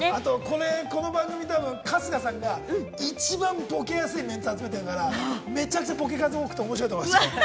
春日さんが一番ボケやすいメンツを集めてるから、めちゃくちゃ面白いと思いますよ。